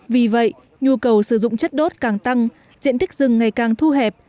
vì vậy nhu cầu sử dụng chất đốt càng tăng diện tích rừng ngày càng thu hẹp